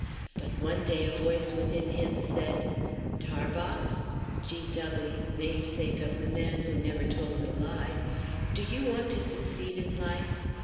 But one day a voice within him said, 'Tarbox' George W., namesake of the man who never told a lie, 'do you want to succeed in life?